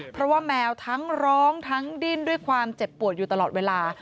เพราะว่าแมวทั้งร้องทั้งดิ้นด้วยความเจ็บปวดอยู่ตลอดเวลา